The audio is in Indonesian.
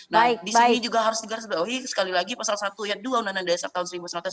nah di sini juga harus diberi tahu sekali lagi pasal satu uu undang undang desa tahun seribu sembilan ratus empat puluh lima